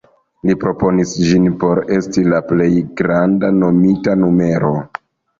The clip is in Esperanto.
Li proponis ĝin por esti la plej granda nomita numero.